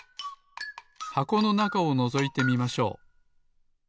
箱のなかをのぞいてみましょう。